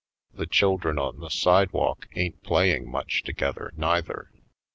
The children on the sidewalk ain't playing much together, neither.